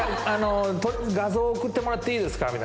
「画像送ってもらっていいですか？」